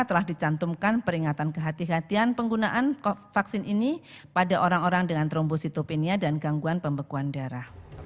telah dicantumkan peringatan kehatian kehatian penggunaan vaksin ini pada orang orang dengan trombositopenia dan gangguan pembekuan darah